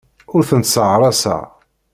Ur tent-sseɣraseɣ.